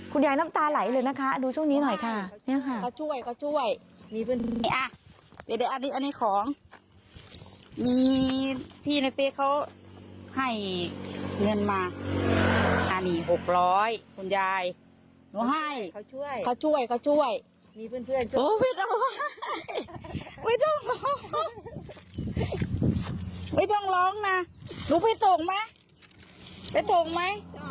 น้ำตาไหลเลยนะคะดูช่วงนี้หน่อยค่ะ